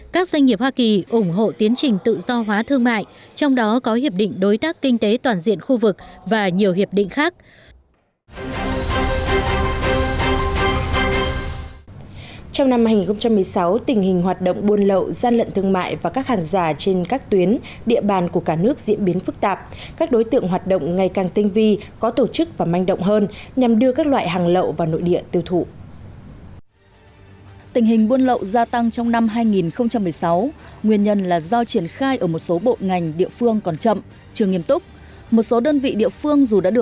các doanh nghiệp hoa kỳ ủng hộ tiến trình tự do